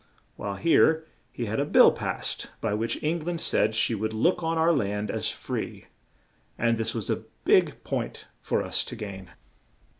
While here he had a bill passed by which Eng land said she would look on our land as free; and this was a big point for us to gain.